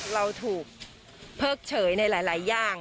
เราถูกเพิกเฉยในหลายอย่าง